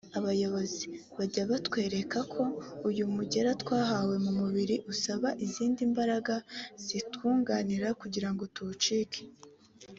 abayobozi…bajye batwereka ko uyu mugera twahawe mu mubiri usaba izindi mbaraga zitwunganira kugira ngo turicike